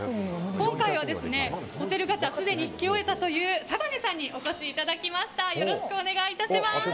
今回は、ホテルガチャをすでに引き終えたというサガネさんにお越しいただきました。